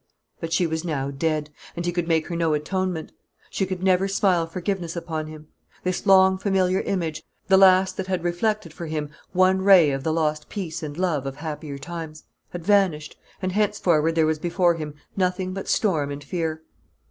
But she was now dead; he could make her no atonement; she could never smile forgiveness upon him. This long familiar image the last that had reflected for him one ray of the lost peace and love of happier times had vanished, and henceforward there was before him nothing but storm and fear.